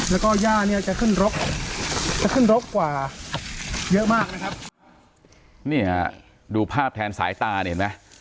แล้วก็ย่าเนี่ยจะขึ้นรกจะขึ้นรกกว่าเยอะมากนะครับนี่ฮะดูภาพแทนสายตาเนี่ยเห็นไหม